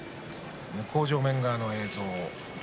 向正面側の映像です。